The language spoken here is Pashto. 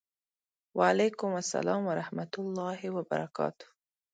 وعلیکم سلام ورحمة الله وبرکاته